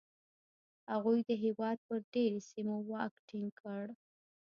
هغوی د هېواد پر ډېری سیمو واک ټینګ کړ